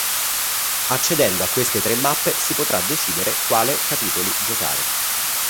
Accedendo a queste tre mappe si potrà decidere quale capitoli giocare.